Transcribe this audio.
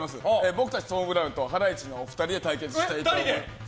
僕たちトム・ブラウンとハライチのお二人で対決したいと思います。